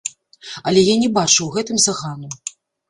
Але я не бачу ў гэтым загану.